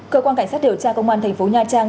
cơ quan cảnh sát điều tra công an thành phố nha trang